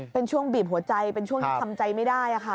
เป็นช่วงบีบหัวใจเป็นช่วงที่ทำใจไม่ได้ค่ะ